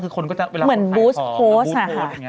คือคนก็จะเวลามันบูสโพสต์ค่ะ